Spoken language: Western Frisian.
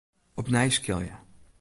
Opnij skilje.